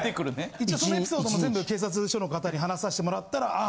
一応そのエピソードも全部警察署の方に話さしてもらったらあ！